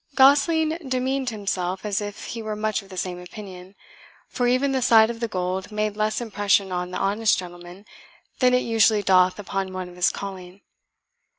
Gosling demeaned himself as if he were much of the same opinion, for even the sight of the gold made less impression on the honest gentleman than it usually doth upon one of his calling.